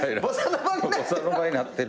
ボサノバになってる。